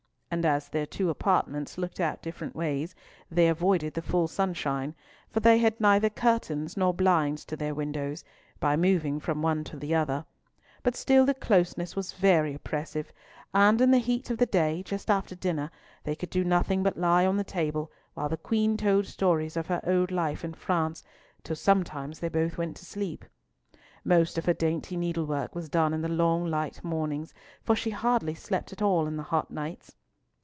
And as their two apartments looked out different ways, they avoided the full sunshine, for they had neither curtains nor blinds to their windows, by moving from one to the other; but still the closeness was very oppressive, and in the heat of the day, just after dinner, they could do nothing but lie on the table, while the Queen told stories of her old life in France, till sometimes they both went to sleep. Most of her dainty needlework was done in the long light mornings, for she hardly slept at all in the hot nights.